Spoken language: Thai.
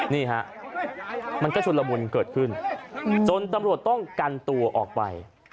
นี่ฮะมันก็ชุนละมุนเกิดขึ้นจนตำรวจต้องกันตัวออกไป